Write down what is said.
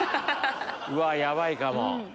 うわヤバいかも。